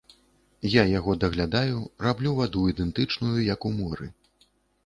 Я яго даглядаю, раблю ваду ідэнтычную, як у моры.